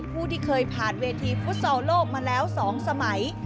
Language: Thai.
ผู้ที่เคยผ่านเวทีฟุตซอลโลกมาแล้ว๒สมัย